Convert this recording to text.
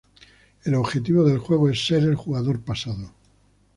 El objetivo del juego es ser el jugador pasado.